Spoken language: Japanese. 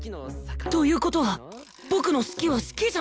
という事は僕の「好き」は好きじゃない？